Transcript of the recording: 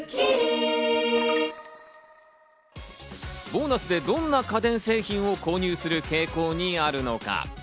ボーナスでどんな家電製品を購入する傾向にあるのか？